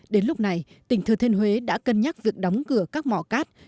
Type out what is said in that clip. đến lúc này tỉnh thừa thiên huế đã cân nhắc việc đóng cửa các mỏ cát